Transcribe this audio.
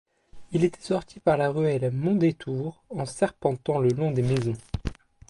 Il était sorti par la ruelle Mondétour en serpentant le long des maisons.